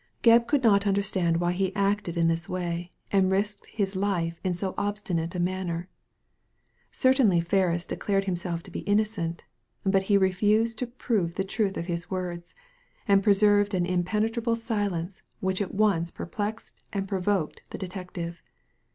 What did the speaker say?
Gebb could not understand why he acted in this way, and risked his neck in so obstinate a manner. Certainly Ferris declared himself to be innocent ; but he refused to prove the truth of his words, and pre served an impenetrable silence which at once per* plexed and provoked the detective.